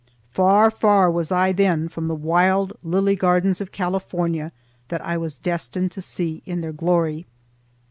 Far, far was I then from the wild lily gardens of California that I was destined to see in their glory.